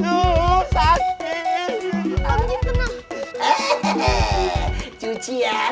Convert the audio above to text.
mau lari kemana kalian